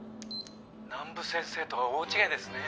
南武先生とは大違いですね。